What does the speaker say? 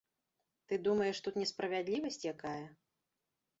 Ты думаеш, тут несправядлівасць якая?